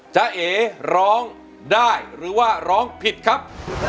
จ้าเอ๋ร้องได้หรือว่าร้องผิดครับ